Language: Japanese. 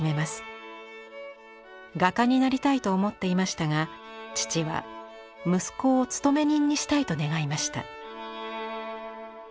画家になりたいと思っていましたが父は息子を勤め人にしたいと願いました。